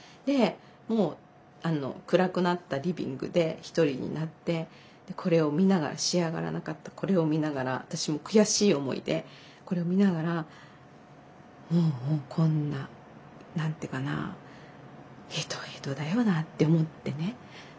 でもう暗くなったリビングで一人になってこれを見ながら仕上がらなかったこれを見ながら私も悔しい思いでこれを見ながらもうこんな何て言うかな「へとへとだよな」って思ってね。